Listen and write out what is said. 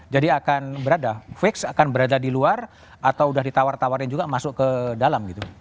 jadi akan berada fix akan berada di luar atau udah ditawar tawarin juga masuk ke dalam gitu